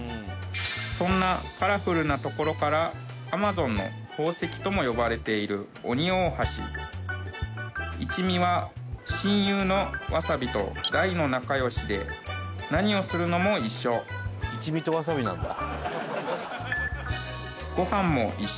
そんなカラフルなところからとも呼ばれているオニオオハシいちみは親友のわさびと大の仲良しで何をするのも一緒いちみとわさびなんだ